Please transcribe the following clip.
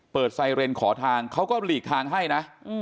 ไซเรนขอทางเขาก็หลีกทางให้นะ